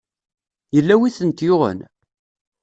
Yella wi tent-yuɣen?